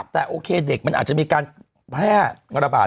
แต่โอเคเด็กมันอาจจะมีการแพร่ระบาด